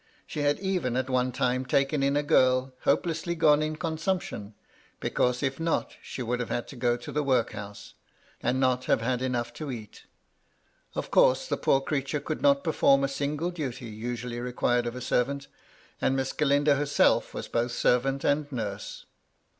She had even at one time taken in a girl hopelessly gone in consumption, because if not she would have had to go to the workhouse, and not have had enough to eat. Of course the poor creature could not perform a single duty usually required of a servant, and Miss Galindo herself was both servant and nurse.